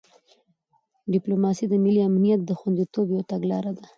ډیپلوماسي د ملي امنیت د خوندیتوب یو تګلاره ده.